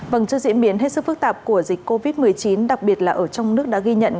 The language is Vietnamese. vâng trước diễn biến hết sức phức tạp của dịch covid một mươi chín đặc biệt là ở trong nước đã ghi nhận